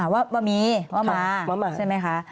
ว่ามีว่ามาใช่ไหมคะ